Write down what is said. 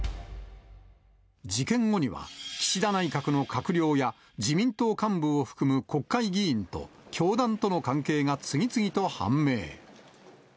事件後には、岸田内閣の閣僚や自民党幹部を含む国会議員と教団との関係が次々と判明。